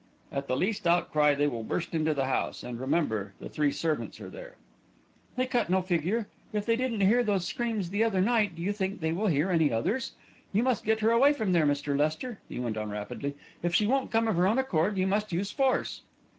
At the least outcry they will burst into the house. And remember, the three servants are there." "They cut no figure. If they didn't hear those screams the other night, do you think they would hear any others? You must get her away from there, Mr. Lester," he went on rapidly. "If she won't come of her own accord, you must use force."